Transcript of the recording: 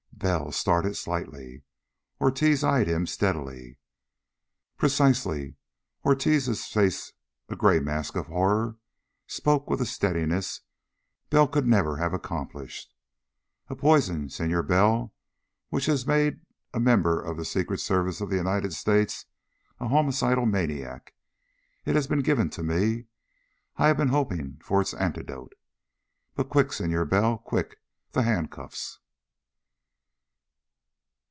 Bell started slightly. Ortiz eyed him steadily. "Precisely." Ortiz, with his face a gray mask of horror, spoke with a steadiness Bell could never have accomplished. "A poison, Senor Bell, which has made a member of the Secret Service of the United States a homicidal maniac. It has been given to me. I have been hoping for its antidote, but Quick! Senor Bell! Quick! The handcuffs!"